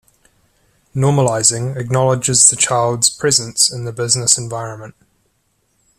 Normalizing acknowledges the child's presence in the business environment.